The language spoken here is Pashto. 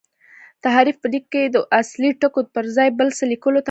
تحریف په لیک کښي د اصلي ټکو پر ځای بل څه لیکلو ته وايي.